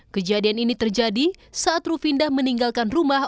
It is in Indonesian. kejadian ini terjadi saat ruvinda meninggalkan rumah